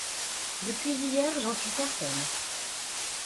Depuis hier, j'en suis certaine.